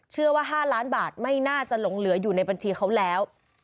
เชื่อว่า๕ล้านบาทไม่น่าจะหลงเหลืออยู่ในบัญชีเขาแล้ว